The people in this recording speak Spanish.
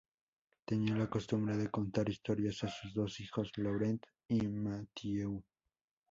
Tenía la costumbre de contar historias a sus dos hijos, Laurent y Mathieu.